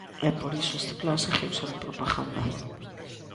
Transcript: E por iso este plan seguiu sendo propaganda.